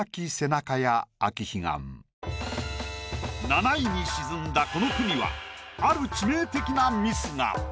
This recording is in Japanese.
７位に沈んだこの句にはある致命的なミスが。